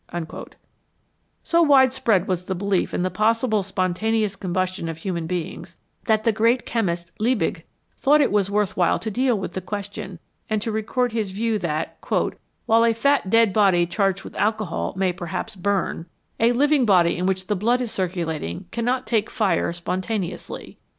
1 So widespread was the belief in the possible spontaneous combustion of human beings that the great chemist Liebig thought it worth while to deal with the question and to record his view that " while a fat dead body charged with alcohol may perhaps burn, a living 129 i HOW FIRE IS MADE body in which the blood is circulating cannot take fire spontaneously."